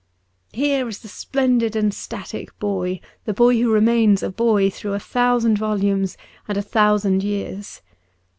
Here is the splendid and static boy, the boy who remains a boy through a thousand volumes and a thousand years.